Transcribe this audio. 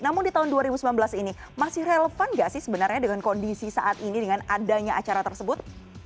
namun di tahun dua ribu sembilan belas ini masih relevan nggak sih sebenarnya dengan kondisi saat ini dengan adanya acara tersebut